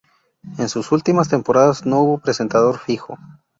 En sus últimas temporadas no hubo presentador fijo.